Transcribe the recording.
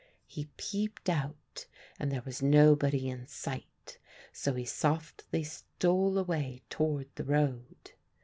He peeped out and there was nobody in sight, so he softly stole away toward the road.